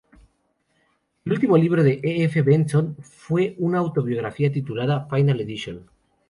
El último libro de E. F. Benson fue una autobiografía titulada "Final Edition".